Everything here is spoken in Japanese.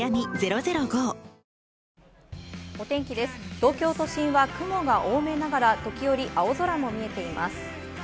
東京都心は雲が多めながら時折青空も見えています。